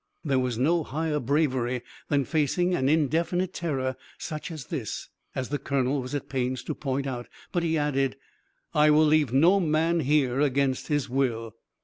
There was no higher bravery than facing an indefinite terror such as this, as the colonel was at pains to point out, but he added "I will leave no man here against his will."